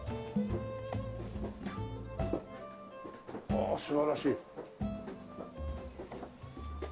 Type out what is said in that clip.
ああ素晴らしい。